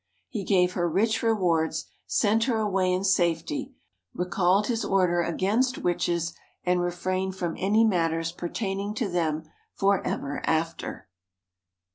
He gave her rich rewards, sent her away in safety, recalled his order against witches, and refrained from any matters pertaining to them for ever after.